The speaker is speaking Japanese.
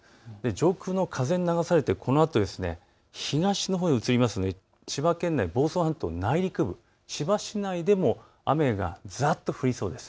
上空の風に流されて、このあと東のほうへ移るので千葉県内、房総半島内陸部、千葉市内でも雨がざっと降りそうです。